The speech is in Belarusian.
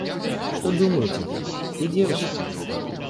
Што думаюць аб ім, дзе дзеўся?